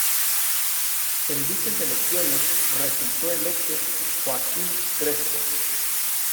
En dichas Elecciones resultó electo Joaquín Crespo.